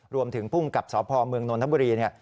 รวมถึงภูมิกับสภพเมืองนทบุรี